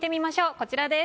こちらです。